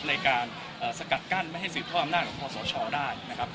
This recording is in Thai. ในการสกัดกั้นไม่ให้สืบทอดอำนาจของคอสชได้นะครับ